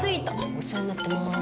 お世話になってます。